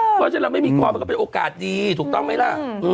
เพราะฉะนั้นเราไม่มีคอมันก็เป็นโอกาสดีถูกต้องไหมล่ะ